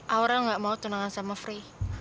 aurel gak mau tunangan sama fre